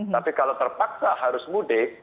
tapi kalau terpaksa harus mudik